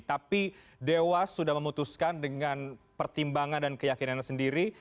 tapi dewas sudah memutuskan dengan pertimbangan dan keyakinan sendiri